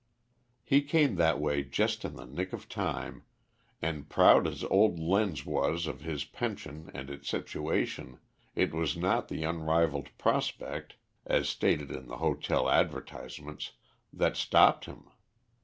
He came that way just in the nick of time, and proud as old Lenz was of his pension and its situation, it was not the unrivalled prospect (as stated in the hotel advertisements) that stopped him.